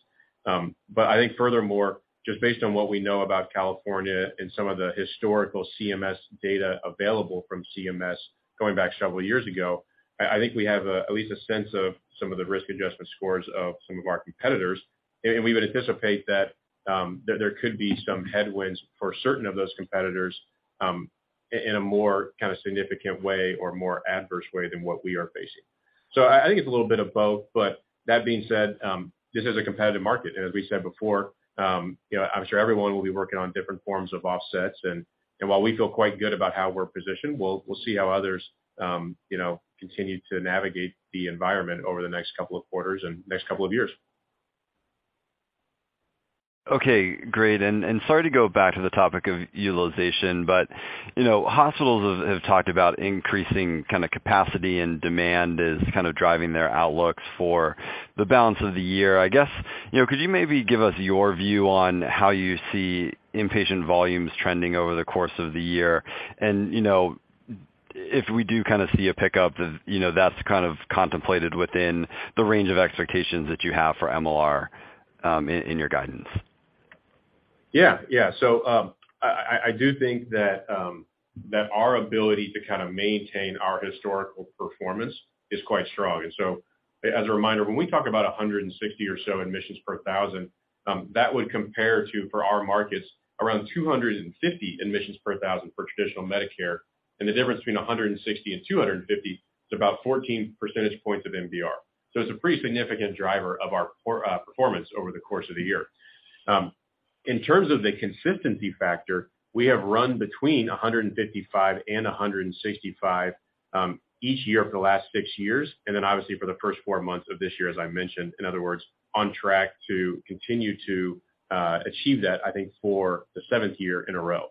I think furthermore, just based on what we know about California and some of the historical CMS data available from CMS going back several years ago, I think we have at least a sense of some of the risk adjustment scores of some of our competitors. We would anticipate that there could be some headwinds for certain of those competitors in a more kind of significant way or more adverse way than what we are facing. I think it's a little bit of both, but that being said, this is a competitive market. As we said before, you know, I'm sure everyone will be working on different forms of offsets. While we feel quite good about how we're positioned, we'll see how others, you know, continue to navigate the environment over the next couple of quarters and next couple of years. Okay, great. Sorry to go back to the topic of utilization, but, you know, hospitals have talked about increasing kind of capacity and demand is kind of driving their outlooks for the balance of the year. I guess, you know, could you maybe give us your view on how you see inpatient volumes trending over the course of the year? You know, if we do kinda see a pickup, you know, that's kind of contemplated within the range of expectations that you have for MLR in your guidance. Yeah. Yeah. I do think that our ability to kind of maintain our historical performance is quite strong. As a reminder, when we talk about 160 or so admissions per 1,000, that would compare to, for our markets, around 250 admissions per 1,000 for traditional Medicare. The difference between 160 and 250 is about 14 percentage points of MBR. It's a pretty significant driver of our performance over the course of the year. In terms of the consistency factor, we have run between 155 and 165 each year for the last six years, and then obviously for the first four months of this year, as I mentioned, in other words, on track to continue to achieve that, I think, for the seventh year in a row.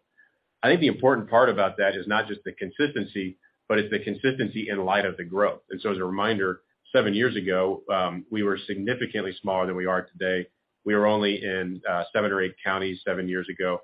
I think the important part about that is not just the consistency, but it's the consistency in light of the growth. As a reminder, seven years ago, we were significantly smaller than we are today. We were only in seven or eight counties seven years ago.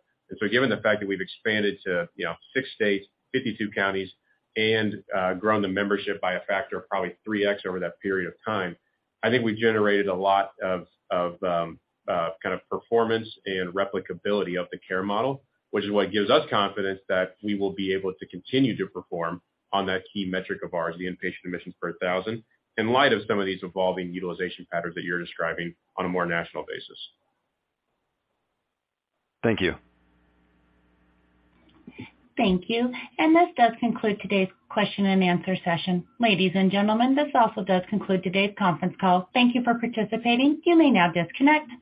Given the fact that we've expanded to, you know, six states, 52 counties, and grown the membership by a factor of probably 3x over that period of time, I think we've generated a lot of kind of performance and replicability of the care model, which is what gives us confidence that we will be able to continue to perform on that key metric of ours, the inpatient admissions per 1,000, in light of some of these evolving utilization patterns that you're describing on a more national basis. Thank you. Thank you. This does conclude today's question and answer session. Ladies and gentlemen, this also does conclude today's conference call. Thank you for participating. You may now disconnect.